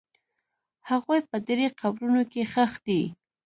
هغوی په درې قبرونو کې ښخ دي.